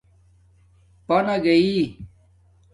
پنا گئئ